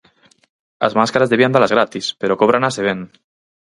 As máscaras debían dalas gratis, pero cóbranas e ben.